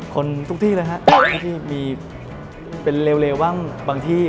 คนทุกที่นะฮะที่มีเป็นเลวบ้างบางที่